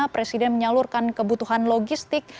presiden menyalurkan kebutuhan logistik